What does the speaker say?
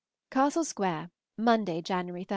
CASTLE SQUARE, Monday (January 30).